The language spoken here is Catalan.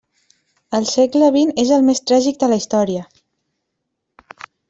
El segle vint és el més tràgic de la història.